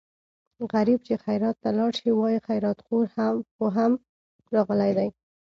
غریب چې خیرات ته لاړ شي وايي خیراتخور خو هم راغلی دی.